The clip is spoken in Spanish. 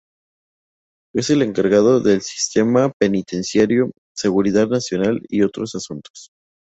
Es el encargado del sistema penitenciario, seguridad nacional y otros asuntos.